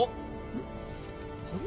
うん？あれ？